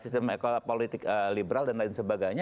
sistem politik liberal dan lain sebagainya